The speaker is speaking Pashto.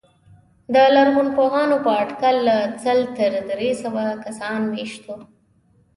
د لرغونپوهانو په اټکل له سل تر درې سوه کسان مېشت وو.